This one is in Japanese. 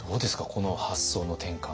この発想の転換。